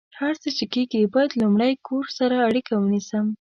هر څه چې کیږي، باید لمړۍ کور سره اړیکه ونیسم